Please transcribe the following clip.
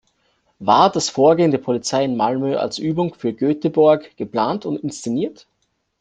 War das Vorgehen der Polizei in Malmö als Übung für Göteborg geplant und inszeniert?